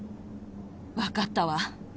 分かったわ。